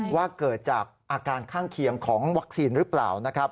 ว่าเกิดจากอาการข้างเคียงของวัคซีนหรือเปล่านะครับ